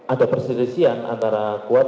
ada perselisihan antara kuat